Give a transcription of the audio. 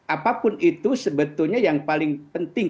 apapun itu sebetulnya yang paling penting